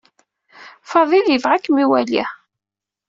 Faḍil yebɣa ad kem-iwali.